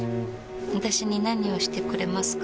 私に何をしてくれますか？